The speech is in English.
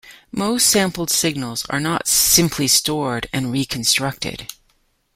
Most sampled signals are not simply stored and reconstructed.